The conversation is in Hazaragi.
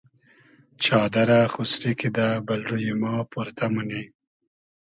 چادئرہ خوسری کیدہ بئل روی ما پۉرتۂ مونی